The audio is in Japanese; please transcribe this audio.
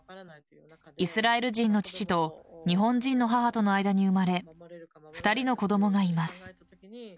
イスラエル人の父と日本人の母との間に生まれ２人の子供がいます。